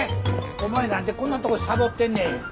お前何でこんなとこでサボってんねん。